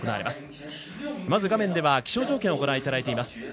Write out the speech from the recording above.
まず画面では気象条件をご覧いただいています。